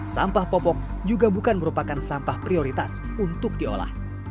sampah popok juga bukan merupakan sampah prioritas untuk diolah